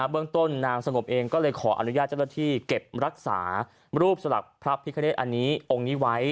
เรื่องต้นนางสงบเองก็เลยขออนุญาตเจ้าหน้าที่เก็บรักษารูปสลักพระพิคเนตอันนี้องค์นี้ไว้